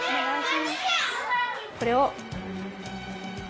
これを。